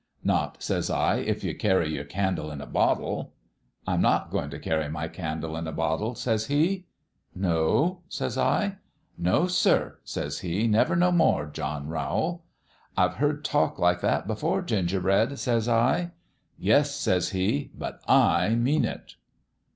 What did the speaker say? "* Not,' says I, ' if you carry your candle in a bottle.' "' I'm not goin' t' carry my candle in a bottle,' says he. "' No ?' says I. "' No, sir,' says he ;' never no more, John Rowl !'"' I've heard talk like that before, Ginger bread,' says I. "' Yes,' says he ;' but I mean it.'